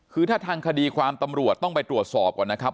คือถ้าทางคดีความตำรวจต้องไปตรวจสอบก่อนนะครับ